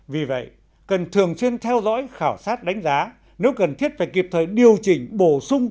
vì vậy cần thường xuyên theo dõi khảo sát đánh giá nếu cần thiết phải kịp thời điều chỉnh bổ sung